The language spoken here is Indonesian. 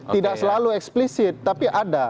tidak selalu eksplisit tapi ada